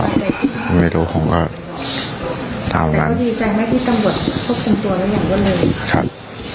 ดีใจไหมที่กำบวนพบคุมตัวแล้วอย่างนี้เลยครับ